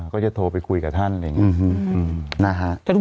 ก็จะโทรไปคุยกับท่านอะไรอย่างนี้นะฮะ